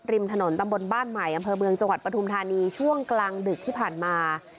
ริมถนนตำบลบ้านใหม่อำเภอเมืองจังหวัดปฐุมธานีช่วงกลางดึกที่ผ่านมา